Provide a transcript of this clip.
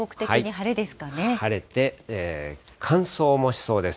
晴れて、乾燥もしそうです。